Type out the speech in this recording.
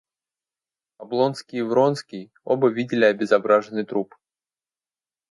Облонский и Вронский оба видели обезображенный труп.